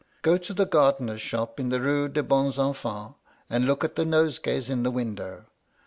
Go to the gardener's shop in the Rue des Bons Enfans, and look at the nosegays in the window.